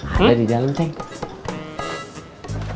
ada di dalam nek